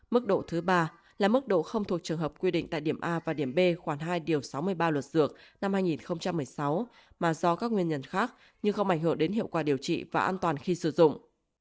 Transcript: mức độ thứ ba là mức độ không thuộc trường hợp quy định tại điểm a và điểm b khoảng hai điều sáu mươi ba luật dược năm hai nghìn một mươi sáu mà do các nguyên nhân khác nhưng không ảnh hưởng đến hiệu quả điều trị và an toàn khi sử dụng